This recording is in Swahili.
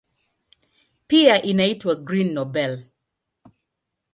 Pia inaitwa "Green Nobel".